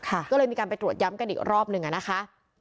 ก็เลยมีการไปตรวจย้ำกันอีกรอบหนึ่งอ่ะนะคะ